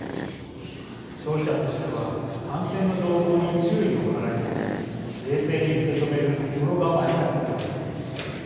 消費者としては感染の動向に注意を払いつつ冷静に受け止める心構えが必要です。